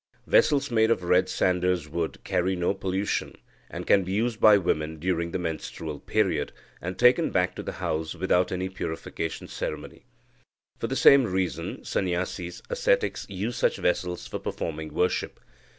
Vessels made of red sanders wood carry no pollution, and can be used by women during the menstrual period, and taken back to the house without any purification ceremony. For the same reason, Sanyasis (ascetics) use such vessels for performing worship.